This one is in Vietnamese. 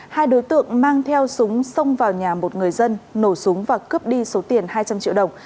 hai đối tượng mang theo súng xông vào nhà một người dân nổ súng và cướp đi số tiền hai trăm linh triệu đồng